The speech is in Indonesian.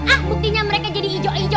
ah buktinya mereka jadi ijo ijo